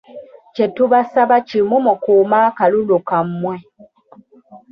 Kye tubasaba kimu mukuume akalulu kammwe.